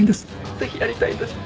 ぜひやりたいんです。